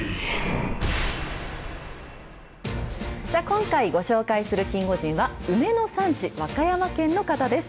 今回、ご紹介するキンゴジンは、梅の産地、和歌山県の方です。